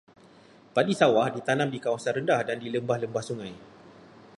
Padi sawah ditanam di kawasan rendah dan di lembah-lembah sungai.